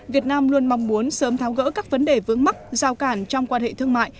việt nam luôn mong muốn sớm tháo gỡ các vấn đề vướng mắc giao cản trong quan hệ thương mại